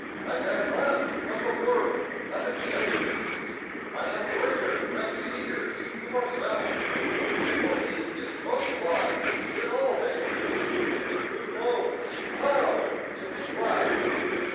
I can laugh at the world and its sages— I am greater than seers who are sad, For he is most wise in all ages Who knows how to be glad.